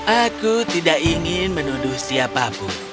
aku tidak ingin menuduh siapapun